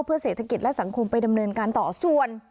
เพื่อเศรษฐกิจและสังคมไปดำเนินการต่อส่วน